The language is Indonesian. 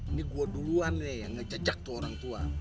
ini gue duluan nih yang ngececak tuh orang tua